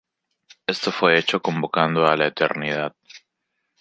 Esto fue hecho convocando a la Eternidad.